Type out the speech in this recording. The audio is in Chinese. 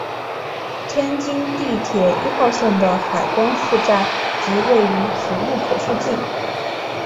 天津地铁一号线的海光寺站即位于此路口附近。